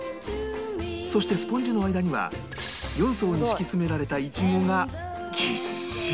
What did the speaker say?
そしてスポンジの間には４層に敷き詰められたイチゴがぎっしり！